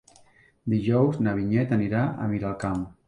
Dijous na Vinyet anirà a Miralcamp.